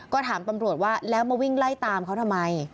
ก็ถามตำรวจว่าแล้วมาวิ่งไล่ตามเขาทำไม